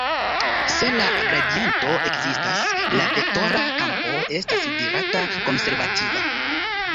Se la gradiento ekzistas, la vektora kampo estas dirata konservativa.